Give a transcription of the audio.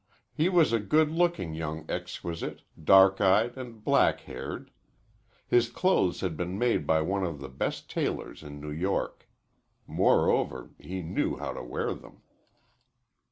He was a good looking young exquisite, dark eyed and black haired. His clothes had been made by one of the best tailors in New York. Moreover, he knew how to wear them.